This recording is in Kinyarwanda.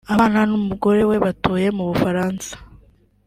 abana n’umugore we batuye mu Bufaransa